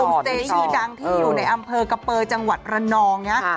สเตย์ชื่อดังที่อยู่ในอำเภอกะเปอร์จังหวัดระนองนะ